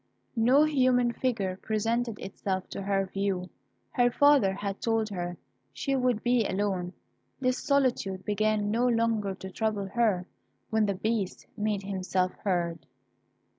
No human figure presented itself to her view; her father had told her she would be alone. This solitude began no longer to trouble her, when the Beast made himself heard.